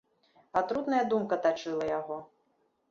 Атрутная думка тачыла яго.